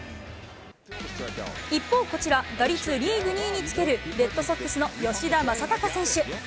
一方、こちら、打率リーグ２位につける、レッドソックスの吉田正尚選手。